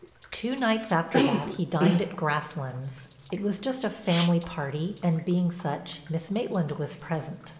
Two nights after that he dined at Grasslands. It was just a family party, and, being such, Miss Maitland was present.